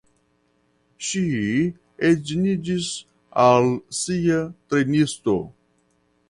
Ŝi edziniĝis al sia trejnisto.